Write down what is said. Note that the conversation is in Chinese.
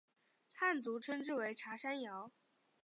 汉族称之为茶山瑶。